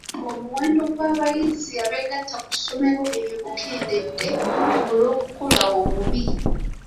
Omuwendo gw'abayizi abeegatta ku ssomero eryo gukendedde olw'okukola obubi.